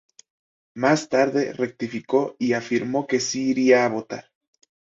Más tarde, rectificó y afirmó que sí iría a votar.